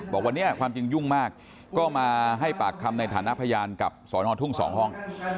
บอกวันนี้ความจริงยุ่งมากก็มาให้ปากคำในฐานะพยานกับสอนอทุ่ง๒ห้อง